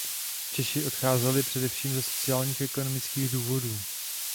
Češi odcházeli především ze sociálních a ekonomických důvodů.